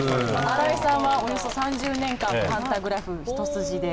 新井さんはおよそ３０年間パンタグラフ一筋で。